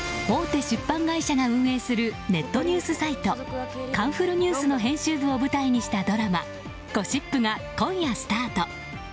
大手出版会社が運営するネットニュースサイトカンフルＮＥＷＳの編集部を舞台にしたドラマ「ゴシップ」が今夜スタート。